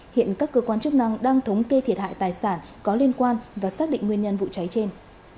hiện các cơ quan chức năng đang thống kê thiệt hại tài sản có liên quan và xác định nguyên nhân vụ cháy trên